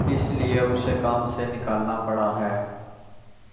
اس لیے اُسے کام سے نکالنا پڑا ہے